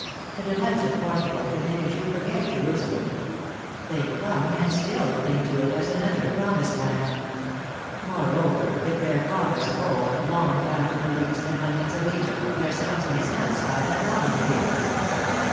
"The delights of Portugal can make a Jew forget Jerusa lem. They clung, and still cling to it, as another promised land. Moreover, if their fathers of old longed after the leeks and onions of Egypt, their sons may satisfy that longing here."